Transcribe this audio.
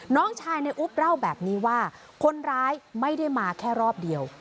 น้องชายในอุ๊บเล่าแบบนี้ว่าคนร้ายไม่ได้มาแค่รอบเดียว